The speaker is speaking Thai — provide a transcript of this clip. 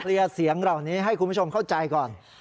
เสียงเหล่านี้ให้คุณผู้ชมเข้าใจก่อน